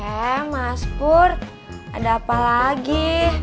eh mas pur ada apa lagi